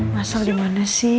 masalah dimana sih